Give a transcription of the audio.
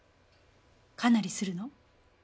かなりするの？